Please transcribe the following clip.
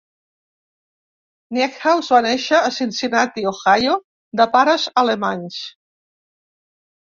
Niehaus va néixer a Cincinnati, Ohio, de pares alemanys.